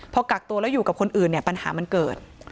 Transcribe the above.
พอกักตัวแล้วอยู่กับคนอื่นเนี่ยปัญหามันเกิด